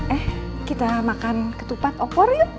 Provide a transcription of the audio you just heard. eh kita makan ketupat opor yuk